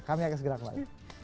kami akan segera kembali